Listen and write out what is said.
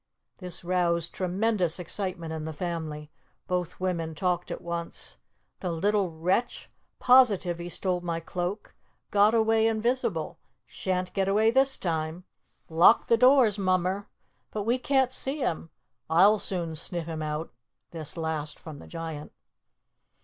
This roused tremendous excitement in the family. Both women talked at once: "the little wretch!" "positive he stole my Cloak" "got away invisible" "shan't get away this time" "Lock the doors, mummer!" "but we can't see him" "I'll soon sniff him out" this last from the Giant.